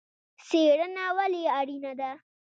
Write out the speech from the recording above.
څیړنه ولې اړینه ده؟